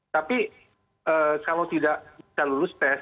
tapi kalau tidak bisa lulus tes